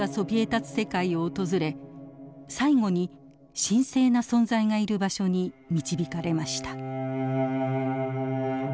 世界を訪れ最後に神聖な存在がいる場所に導かれました。